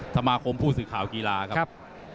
สมาคมผู้ศึกข่าวกีฬากับ